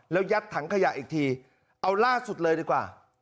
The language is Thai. แล้วยัดถังขยะอีกทีเอาล่าสุดเลยดีกว่า